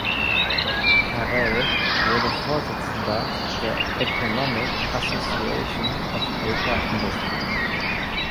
Karel wurde Vorsitzender der "Economic Association of Paper Industry".